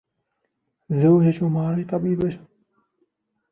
زوجة ماري طبيبة.